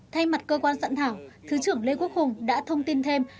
thay mặt cơ quan soạn thảo thứ trưởng lê quốc hùng đã thông tin thêm